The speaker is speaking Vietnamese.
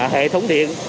hệ thống điện